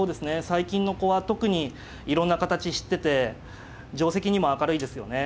最近の子は特にいろんな形知ってて定跡にも明るいですよね。